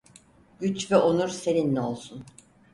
Güç ve onur seninle olsun.